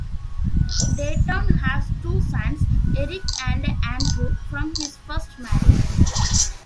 Dayton has two sons, Eric and Andrew, from his first marriage.